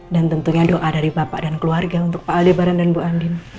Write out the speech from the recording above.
dan tentunya doa dari bapak dan keluarga untuk pak aldebaran dan bu andin